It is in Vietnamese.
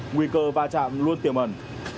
nguy cơ va chạm luôn tiềm ẩn